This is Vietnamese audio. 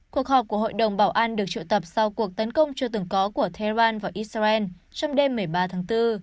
cuộc họp của hội đồng bảo an được triệu tập sau cuộc tấn công chưa từng có của tehran và israel trong đêm một mươi ba tháng bốn